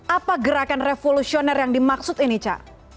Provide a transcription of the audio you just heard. apa gerakan revolusioner yang dimaksud ini ca